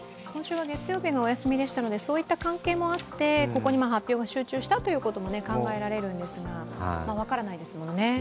今週は月曜日がお休みでしたのでそういった関係もあってここに発表が集中したということも考えられるんですが、分からないですもんね。